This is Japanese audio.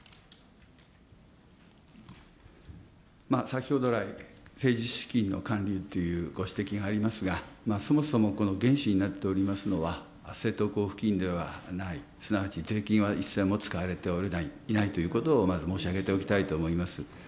先ほど来、政治資金の還流っていうご指摘がありますが、そもそも、この原資になっておりますのは政党交付金ではない、すなわち税金は一銭も使われていないということを、まず、申し上げておきたいと思います。